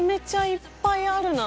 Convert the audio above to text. いっぱいあるな。